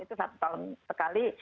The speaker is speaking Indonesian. itu satu tahun sekali